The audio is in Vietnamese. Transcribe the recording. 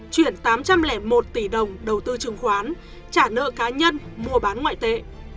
chuyển tám trăm linh một tỷ đồng đầu tư chứng khoán trả nợ cá nhân mua bán ngoại tệ